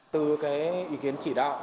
từ ý kiến chỉ đạo